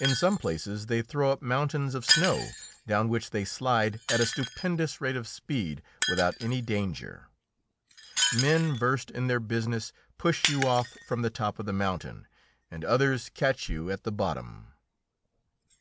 In some places they throw up mountains of snow, down which they slide at a stupendous rate of speed without any danger. Men versed in their business push you off from the top of the mountain, and others catch you at the bottom.